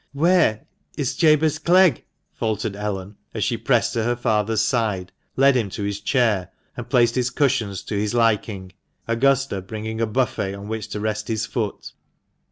"Where is Jabez Clegg?" faltered Ellen, as she pressed to her father's side, led him to his chair, and placed his cushions to his liking, Augusta bringing a buffet on which to rest his foot.